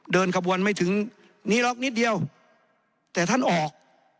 เดินขบวนไม่ถึงนี้ล็อกนิดเดียวแต่ท่านออก